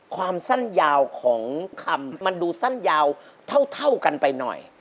ความสั้นยาวของคำมันดูสั้นยาวเท่ากันไปหน่อย